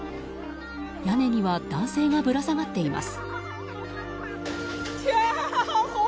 屋根には男性がぶら下がっています。